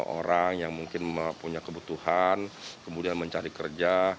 orang yang mungkin punya kebutuhan kemudian mencari kerja